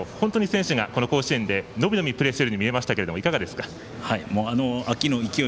本当に選手が、この甲子園で伸び伸びプレーしているように見えましたが、いかがですか？